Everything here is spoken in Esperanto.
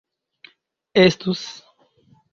estus